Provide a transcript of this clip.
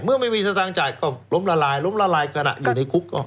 เมื่อไม่มีสตางค์จ่ายก็ล้มละลายล้มละลายขณะอยู่ในคุก